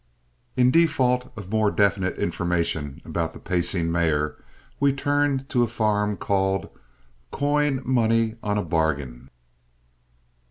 In default of more definite information about the pacing mare, we turned to a farm called "Coin Money on a Bargain."